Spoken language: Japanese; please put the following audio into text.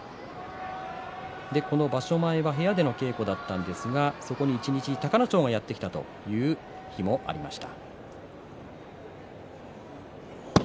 この場所前は部屋での稽古だったんですがそこに一日隆の勝もやって来た日もありました。